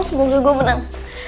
semoga gue menang